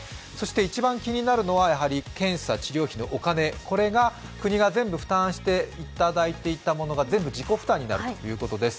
一番気になるのは検査、治療費のお金、これが国が全部負担していただいたものが全部自己負担になるということです。